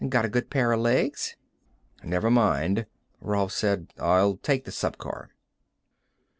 Got a good pair of legs?" "Never mind," Rolf said. "I'll take the subcar."